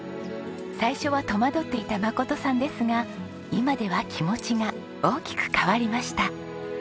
最初は戸惑っていた眞さんですが今では気持ちが大きく変わりました。